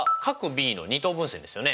Ｂの二等分線ですよね。